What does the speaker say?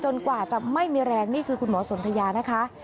กว่าจะไม่มีแรงนี่คือคุณหมอสนทยานะคะ